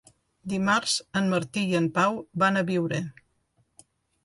Dimarts en Martí i en Pau van a Biure.